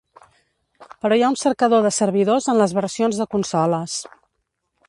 Però hi ha un cercador de servidors en les versions de consoles.